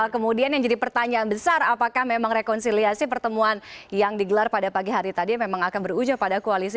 kemudian yang jadi pertanyaan besar apakah memang rekonsiliasi pertemuan yang digelar pada pagi hari tadi memang akan berujung pada koalisi